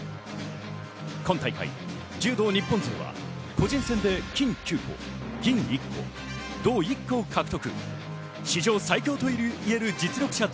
今大会は柔道日本勢は個人戦で金９個、銀１個、銅１個を獲得。